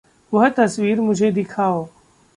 वह तस्वीर मुझे दिखाओ।